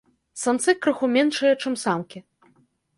Самцы крыху меншыя, чым самкі.